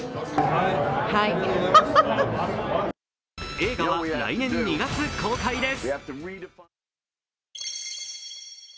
映画は来年２月公開です。